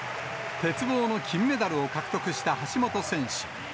鉄棒の金メダルを獲得した橋本選手。